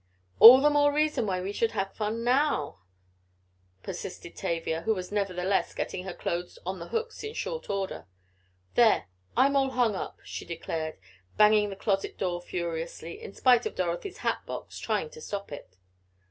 "All the more reason why we should have the fun now," persisted Tavia, who was nevertheless getting her clothes on the hooks in short order. "There! I'm all hung up," she declared, banging the closet door furiously, in spite of Dorothy's hat box trying to stop it.